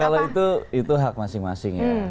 kalau itu hak masing masing ya